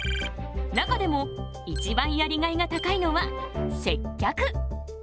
中でもいちばんやりがいが高いのは接客。